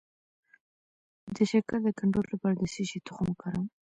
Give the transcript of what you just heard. د شکر د کنټرول لپاره د څه شي تخم وکاروم؟